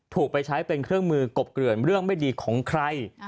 ไปใช้เป็นเครื่องมือกบเกลื่อนเรื่องไม่ดีของใคร